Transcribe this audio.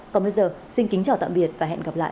còn bây giờ xin kính chào tạm biệt và hẹn gặp lại